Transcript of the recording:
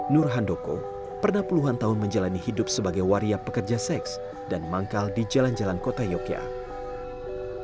nur handoko pernah puluhan tahun menjalani hidup sebagai waria pekerja seks dan manggal di jalan jalan kota yogyakarta